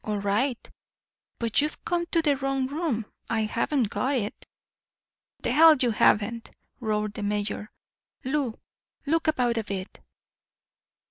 All right but you've come to the wrong room. I haven't got it." "The hell you haven't," roared the mayor. "Lou, look about a bit."